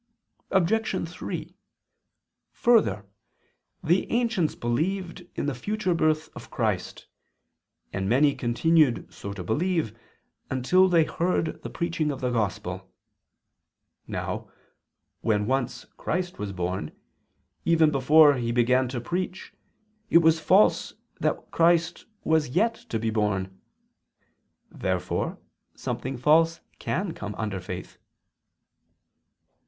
Obj. 3: Further, the ancients believed in the future birth of Christ, and many continued so to believe, until they heard the preaching of the Gospel. Now, when once Christ was born, even before He began to preach, it was false that Christ was yet to be born. Therefore something false can come under faith.